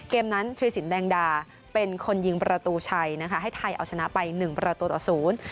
เกมนั้นธรีสินแดงดาเป็นคนยิงประตูชัยให้ไทยเอาชนะไป๑ประตูต่อ๐